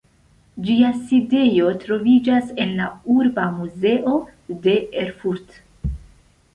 Ĝia sidejo troviĝas en la "Urba muzeo" de Erfurto.